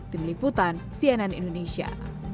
tim liputan cnn indonesia